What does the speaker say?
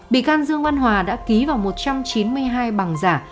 bị can dương văn hòa đã ký vào một trăm chín mươi hai bằng giả